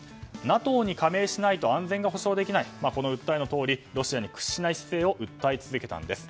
ＮＡＴＯに加盟しないと安全が保証できないというこの訴えのとおりロシアに屈しない姿勢を訴え続けたんです。